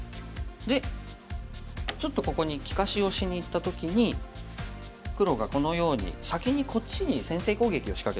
でちょっとここに利かしをしにいった時に黒がこのように先にこっちに先制攻撃を仕掛けてきたと。